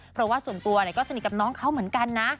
เพราะว่าส่วนตัวก็สนิทกับน้องเขาเหมือนกันนะ